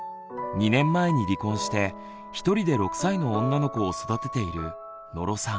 ２年前に離婚してひとりで６歳の女の子を育てている野呂さん。